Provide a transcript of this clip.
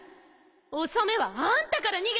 お染はあんたから逃げてきたんだよ！